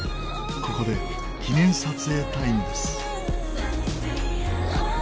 ここで記念撮影タイムです。